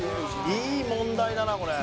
いい問題だなこれ。